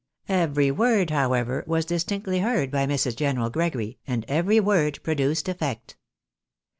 Every word, however, was distinctly heard by Mrs. General Gregory, and every word produced effect.